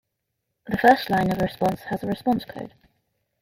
The first line of a response has a "response code".